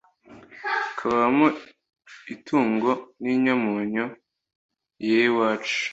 Kabamo itungo n' inyamunyu year iwacu